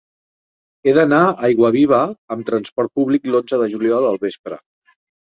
He d'anar a Aiguaviva amb trasport públic l'onze de juliol al vespre.